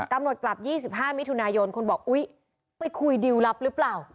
กลับ๒๕มิถุนายนคนบอกอุ๊ยไปคุยดิวลลับหรือเปล่า